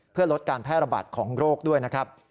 เพื่อลดการแพร่ระบาดของโรคด้วยนะครับ